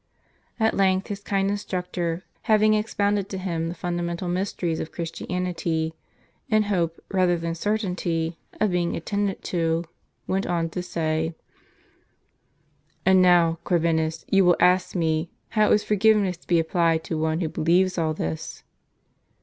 At length his kind instructor, having expounded to him the fundamental myster ies of Christianity, in hope, rather than certainty, of being attended to, went on to say :" And now, Corvinus, you will ask me, how is for giveness to be applied to one who believes all this